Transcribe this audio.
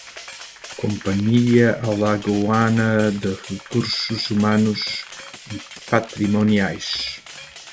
Companhia Alagoana de Recursos Humanos e Patrimoniais